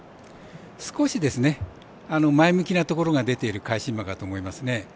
少し前向きなところが出ている返し馬かと思いますね。